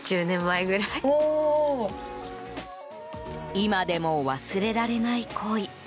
今でも忘れられない恋。